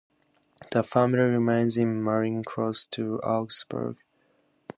The family remains in Mering close to Augsburg.